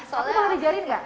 aku mau nge lajarin nggak